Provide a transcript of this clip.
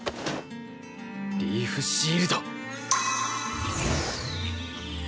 リーフシールド。